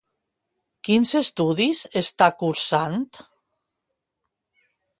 Quins estudis està cursant?